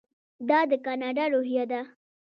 دا د کاناډا روحیه ده.